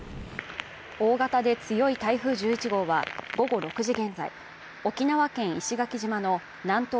大型で強い台風１１号は午後６時現在沖縄県石垣島の南東